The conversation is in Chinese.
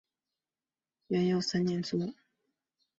元佑三年卒。